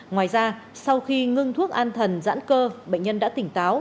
ngoài ra sau khi ngưng thuốc an thần giãn cơ bệnh nhân đã tỉnh táo